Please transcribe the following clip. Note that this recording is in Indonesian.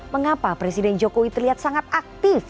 mengapa presiden jokowi terlihat sangat aktif